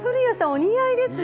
お似合いですね。